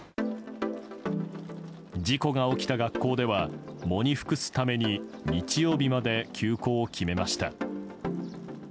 事故が起きた学校では喪に服すために日曜日まで休校を決めました。